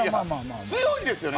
強いですよね？